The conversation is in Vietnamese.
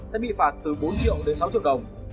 sẽ bị phạt từ bốn triệu đến sáu triệu đồng